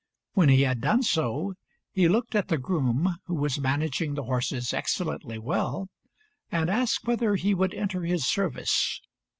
When he had done so, he looked at the groom, who was managing the horses excellently well, and asked whether he would enter his service.